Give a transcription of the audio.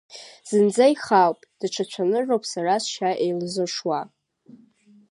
Зынӡа ихаауп, даҽа цәанырроуп сара сшьа еилазыршуа.